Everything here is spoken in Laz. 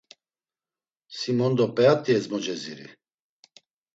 Si mondo p̌eat̆i ezmoce ziri.